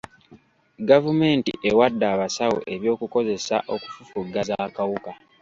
Gavumenti ewadde abasawo eby'okukozesa okufufugaza akawuka.